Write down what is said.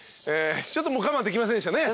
ちょっともう我慢できませんでしたね。